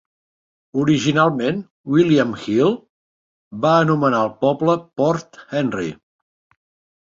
Originalment, William Hill va anomenar el poble "Port Henry".